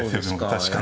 確かに。